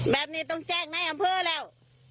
แบบนี้ต้องแจ้งได้ของเพื่อแล้ว